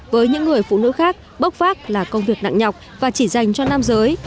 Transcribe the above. với những người phụ nữ khác bốc vác là công việc nặng nhọc và chỉ dành cho nam giới